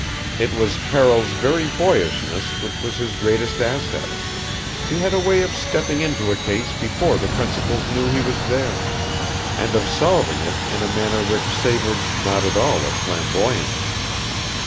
It was Carroll's very boyishness which was his greatest asset. He had a way of stepping into a case before the principals knew he was there, and of solving it in a manner which savored not at all of flamboyance.